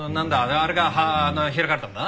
あれがあの開かれたんだな？